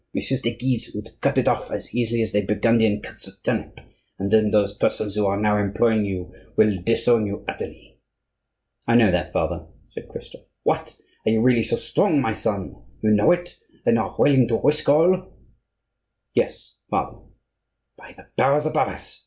Messieurs de Guise would cut it off as easily as the Burgundian cuts a turnip, and then those persons who are now employing you will disown you utterly." "I know that, father," said Christophe. "What! are you really so strong, my son? You know it, and are willing to risk all?" "Yes, father." "By the powers above us!"